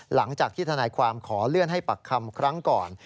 หลังจากที่ทนายความขอเลื่อนให้ปากคำครั้งก่อน